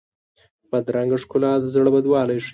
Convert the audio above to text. بدرنګه ښکلا د زړه بدوالی ښيي